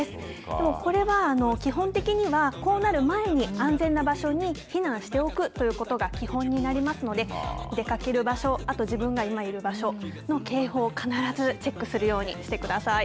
でもこれは基本的には、こうなる前に、安全な場所に避難しておくということが基本になりますので、出かける場所、あと、自分がいる場所の警報を必ずチェックするようにしてください。